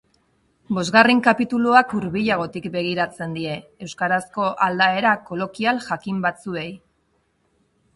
Bosgarren kapituluak hurbilagotik begiratzen die euskarazko aldaera kolokial jakin batzuei.